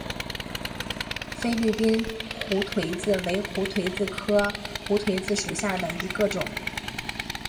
菲律宾胡颓子为胡颓子科胡颓子属下的一个种。